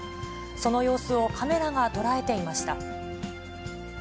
その様子をカメラが捉えていました。